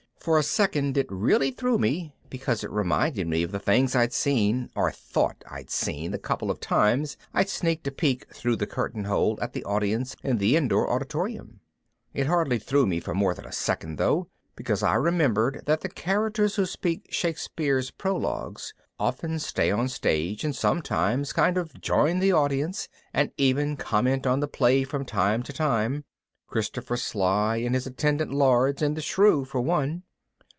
For a second it really threw me because it reminded me of the things I'd seen or thought I'd seen the couple of times I'd sneaked a peek through the curtain hole at the audience in the indoor auditorium. It hardly threw me for more than a second, though, because I remembered that the characters who speak Shakespeare's prologues often stay on stage and sometimes kind of join the audience and even comment on the play from time to time Christopher Sly and attendant lords in The Shrew, for one.